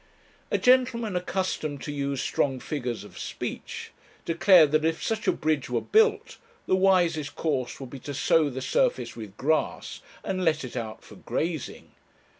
A gentleman, accustomed to use strong figures of speech, declared that if such a bridge were built, the wisest course would be to sow the surface with grass, and let it out for grazing.